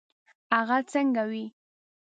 هغه څنګه وي.